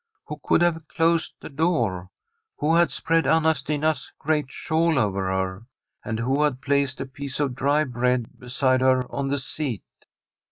Who could have closed the door? who had spread Anna Stina's great shawl over her? and who had placed a piece of dry bread beside her on the seat